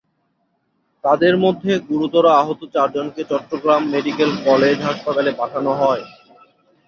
তাদের মধ্যে গুরুতর আহত চারজনকে চট্টগ্রাম মেডিকেল কলেজ হাসপাতালে পাঠানো হয়।